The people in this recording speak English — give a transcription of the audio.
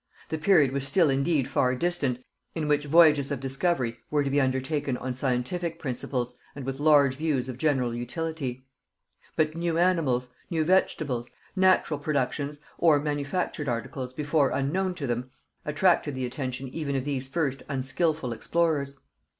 The period was still indeed far distant, in which voyages of discovery were to be undertaken on scientific principles and with large views of general utility; but new animals, new vegetables, natural productions or manufactured articles before unknown to them, attracted the attention even of these first unskilful explorers.